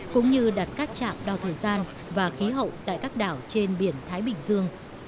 cũng như đặt các trạm đo thời gian và khí hậu tại các đảo trên biển thái bình dương